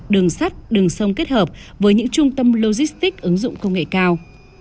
đường sắt đường sông kết hợp với những trung tâm logistics ứng dụng công nghệ cao